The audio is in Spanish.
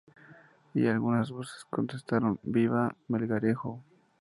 Y algunas voces contestaron: ¡Viva Melgarejo!